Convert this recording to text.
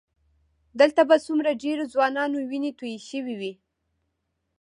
دلته به څومره ډېرو ځوانانو وینې تویې شوې وي.